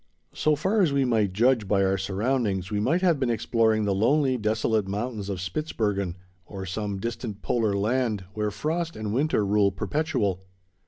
So far as we might judge by our surroundings, we might have been exploring the lonely, desolate mountains of Spitzbergen, or some distant polar land, where frost and winter rule perpetual.